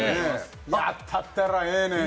やったったらええねん！